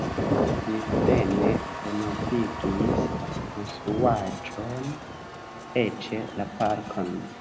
Li plene renovigis la konstruaĵon eĉ la parkon.